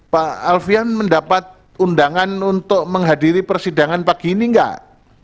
pak alfian mendapat undangan untuk menghadiri persidangan pagi ini enggak